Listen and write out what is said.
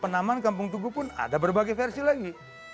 penaman kampung tugu pun ada berbagai versi lagi